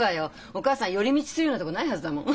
お母さん寄り道するようなとこないはずだもん。